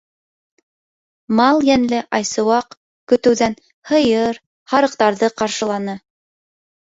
Мал йәнле Айсыуаҡ көтөүҙән һыйыр, һарыҡтарҙы ҡаршыланы.